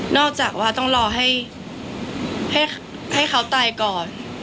จากว่าต้องรอให้เขาตายก่อน